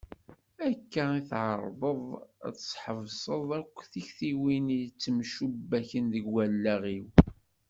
Akka i tteɛraḍeɣ ad sḥebseɣ akk tiktiwin i yettemcubbaken deg wallaɣ-iw.